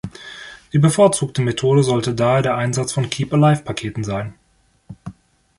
Die bevorzugte Methode sollte daher der Einsatz von Keep-Alive-Paketen sein.